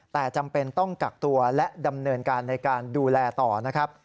แต่จำเป็นต้องกักตัวและดำเนินการในการดูแลต่อนะครับ